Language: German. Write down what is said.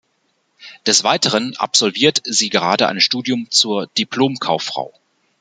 Des Weiteren absolviert sie gerade ein Studium zur Diplom-Kauffrau.